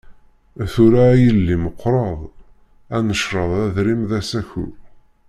Tura, a yelli meqqreḍ, ad necreḍ adrim d asaku.